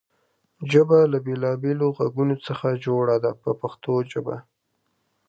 ژبه له بېلابېلو غږونو څخه جوړه ده په پښتو ژبه.